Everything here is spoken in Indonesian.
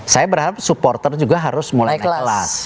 saya berharap supporter juga harus mulai naik kelas